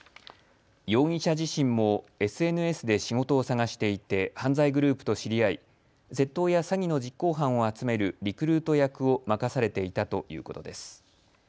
容疑者自身もＳＮＳで仕事を探していて犯罪グループと知り合い、窃盗や詐欺の実行犯を集めるリクルート役を任されていたということです。